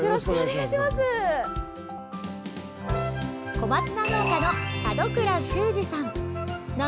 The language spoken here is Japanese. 小松菜農家の門倉周史さん。